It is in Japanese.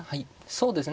そうですね